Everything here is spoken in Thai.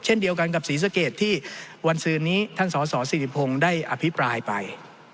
เช่นเดียวกันกับศรีสะเกดที่วันซื้อนี้ท่านสสสิริพงศ์ได้อภิปรายไป